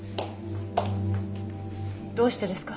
どうしてですか？